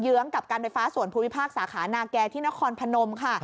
ื้องกับการไฟฟ้าส่วนภูมิภาคสาขานาแก่ที่นครพนมค่ะ